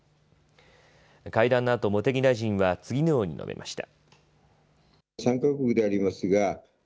会談のあと茂木大臣は次のように述べました。